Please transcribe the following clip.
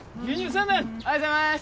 青年おはようございます